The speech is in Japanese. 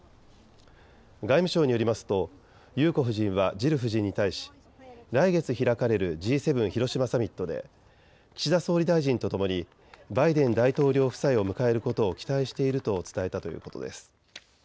外務省によりますと裕子夫人はジル夫人に対し来月開かれるＧ７広島サミットで岸田総理大臣とともにバイデン大統領夫妻を迎えることを期待していると伝えたということです。